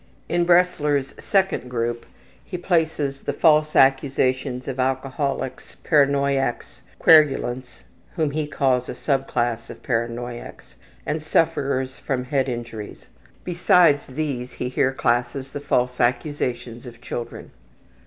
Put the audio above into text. In Bresler's second group he places the false accusations of alcoholics, paranoiacs, querulants (whom he calls a sub class of paranoiacs) and sufferers from head injuries. Besides these, he here classes the false accusations of children.